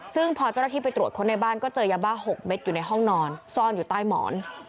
ซึ่งพอเจ้าหน้าที่ไปตรวจค้นในบ้านก็เจอยาบ้า๖เม็ดอยู่ในห้องนอนซ่อนอยู่ใต้หมอน